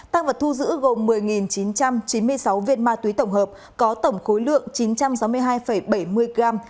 tăng vật thu giữ gồm một mươi chín trăm chín mươi sáu viên ma túy tổng hợp có tổng khối lượng chín trăm sáu mươi hai bảy mươi gram